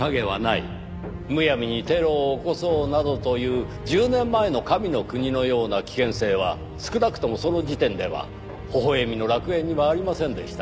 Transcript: むやみにテロを起こそうなどという１０年前の神の国のような危険性は少なくともその時点では微笑みの楽園にはありませんでした。